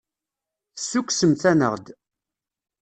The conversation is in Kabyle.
Tessukksemt-aneɣ-d.